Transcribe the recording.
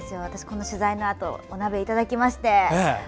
私、この取材のあとお鍋をいただきまして。